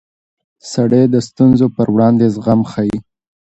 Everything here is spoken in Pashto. سړی د ستونزو پر وړاندې زغم ښيي